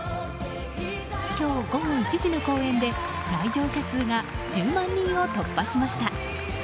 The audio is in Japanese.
今日午後１時の公演で来場者数が１０万人を突破しました。